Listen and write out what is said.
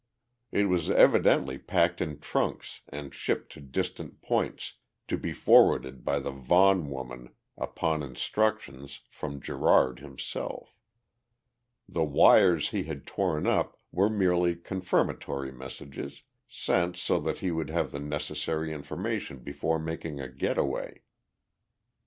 It was evidently packed in trunks and shipped to distant points, to be forwarded by the Vaughan woman upon instructions from Gerard himself. The wires he had torn up were merely confirmatory messages, sent so that he would have the necessary information before making a getaway.